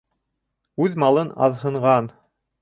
Үҙ малын аҙһынған